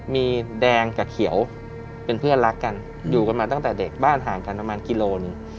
มีแดงกับเขียวเป็นเพื่อนรักกันอยู่กันมาตั้งแต่เด็กบ้านห่างกันประมาณกิโลหนึ่ง